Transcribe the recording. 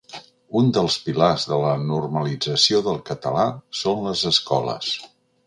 Un dels pilars de la normalització del català són les escoles.